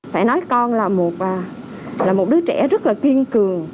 phải nói con là một đứa trẻ rất là kiên cường